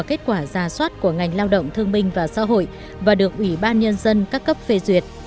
kết quả ra soát của ngành lao động thương minh và xã hội và được ủy ban nhân dân các cấp phê duyệt